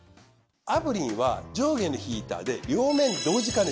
炙輪は上下のヒーターで両面同時加熱。